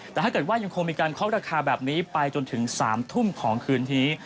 แต่ถ้าเกิดว่ายังคงมีการเคาะราคาแบบนี้ไปจนถึง๓ทุ่มของคืนนี้